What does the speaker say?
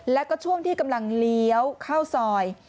แล้วก็ช่วงที่กำลังเลี้ยวเข้าซอย